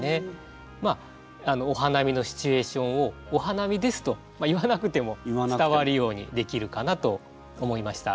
お花見のシチュエーションを「お花見です」と言わなくても伝わるようにできるかなと思いました。